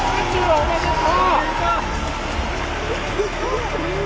おめでとう。